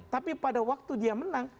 tapi pada waktu dia menang